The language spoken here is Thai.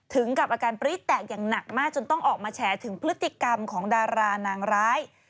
ถึงกับอาการปรี๊ดแตกอย่างหนักมากจนต้องออกมาแฉถึงพฤติกรรมของดารานางร้าย